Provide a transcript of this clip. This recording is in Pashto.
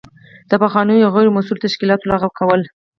د پخوانیو او غیر مؤثرو تشکیلاتو لغوه کول.